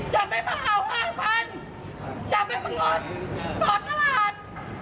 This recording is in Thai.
จับไม่มาเอา๕๐๐๐บาทจับไม่มางดสอดตลาด